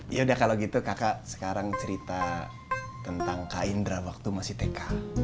ya udah kalau gitu kakak sekarang cerita tentang kak indra waktu masih tk